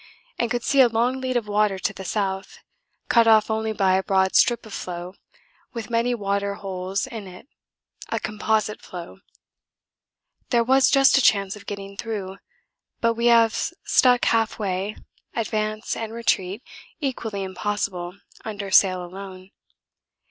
and could see a long lead of water to the south, cut off only by a broad strip of floe with many water holes in it: a composite floe. There was just a chance of getting through, but we have stuck half way, advance and retreat equally impossible under sail alone.